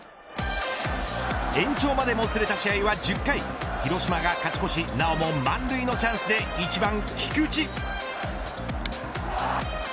延長までもつれた試合は１０回広島が勝ち越しなおも満塁のチャンスで１番、菊池。